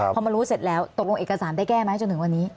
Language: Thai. พอมารู้เสร็จแล้วตกลงเอกสารได้แก้ไหมจนถึงวันนี้